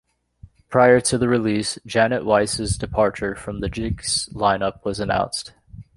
Prior to the release, Janet Weiss' departure from the Jicks lineup was announced.